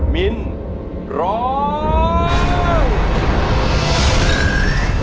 มินร้อง